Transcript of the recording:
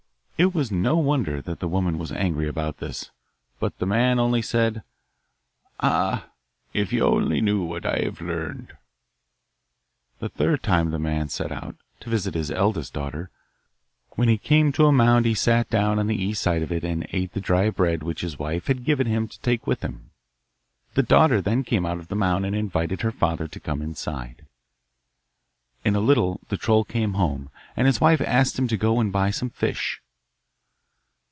It was no wonder that the woman was angry about this, but the man only said, 'Ah, if you only knew what I have learned.' A third time the man set out to visit his eldest daughter. When he came to a mound he sat down on the east side of it and ate the dry bread which his wife had given him to take with him. The daughter then came out of the mound and invited her father to come inside. In a little the troll came home, and his wife asked him to go and buy some fish.